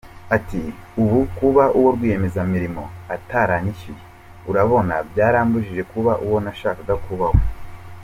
Ati “Ubu kuba uwo rwiyemezamirimo ataranyishyuye urabona byarambujije kuba uwo nashakaga kuba we?”.